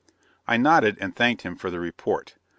I nodded and thanked him for the report.